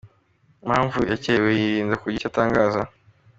com impamvu yakererewe, yirinda kugira icyo atangaza.